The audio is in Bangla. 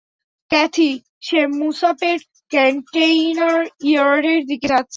ক্যাথি, সে মুসাপেট কন্টেইনার ইয়ার্ডের দিকে যাচ্ছে।